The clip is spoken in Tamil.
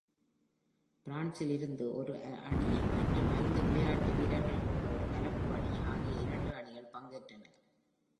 பிரான்சில் இருந்து ஒரு அணி மற்றும் ஐந்து விளையாட்டு வீரர்கள்கொண்ட ஒரு கலப்பு அணி ஆகிய இரண்டு அணிகள் பங்கேற்றனர்.